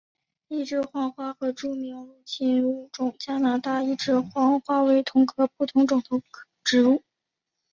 一枝黄花和著名的入侵物种加拿大一枝黄花为同科不同种植物。